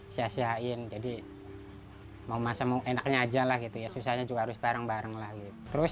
sia siain jadi mau masa mau enaknya aja lah gitu ya susahnya juga harus bareng bareng lagi terus